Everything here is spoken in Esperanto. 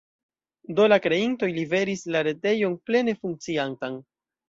Do la kreintoj liveris la retejon plene funkciantan.